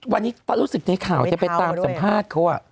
วันนี้ตอนรู้สึกในข่าวจะไปตามสัมภาษณ์เขา